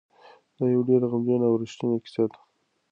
دا یوه ډېره غمجنه او رښتونې کیسه ده.